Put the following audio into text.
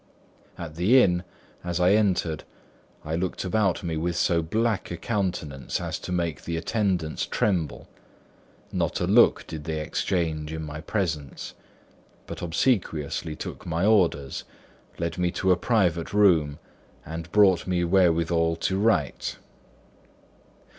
At the inn, as I entered, I looked about me with so black a countenance as made the attendants tremble; not a look did they exchange in my presence; but obsequiously took my orders, led me to a private room, and brought me wherewithal to write.